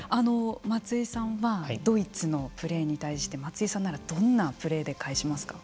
松井さんはドイツのプレーに対して松井さんならどんなプレーで返しますか。